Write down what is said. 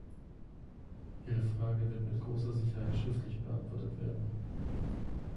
Ihre Frage wird mit großer Sicherheit schriftlich beantwortet werden.